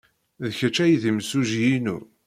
D kečč ay d imsujji-inu?